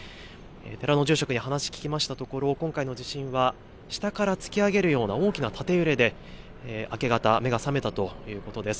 寺の住職に話を聞きましたところ、今回の地震は下から突き上げるような大きな縦揺れで、明け方、目が覚めたということです。